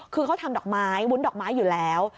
คือเขาทำดอกไม้วุ้นดอกไม้อยู่แล้ว